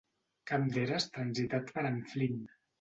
Camp d'eres transitat per en Flynn.